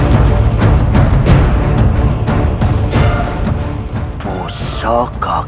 menganggur menimpa osaka